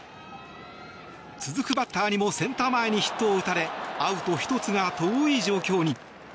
続くバッターにもセンター前にヒットを打たれアウト１つが遠い状況に。